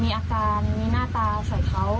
แล้วเขาคิดว่าหนูไปแบบมีอาการมีหน้าตาใส่เขา